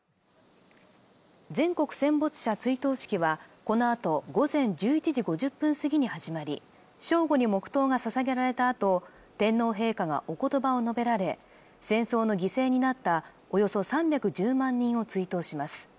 全国戦没者追悼式はこのあと午前１１時５０分過ぎに始まり正午に黙とうがささげられたあと天皇陛下がおことばを述べられ戦争の犠牲になったおよそ３１０万人を追悼します